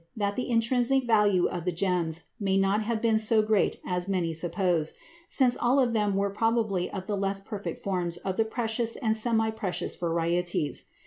We must also bear in mind that the intrinsic value of the gems may not have been so great as many suppose, since all of them were probably of the less perfect forms of the precious and semi precious varieties.